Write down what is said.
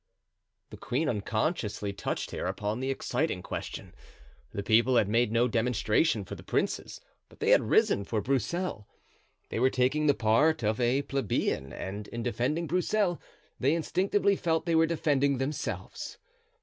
The queen unconsciously touched here upon the exciting question. The people had made no demonstration for the princes, but they had risen for Broussel; they were taking the part of a plebeian and in defending Broussel they instinctively felt they were defending themselves.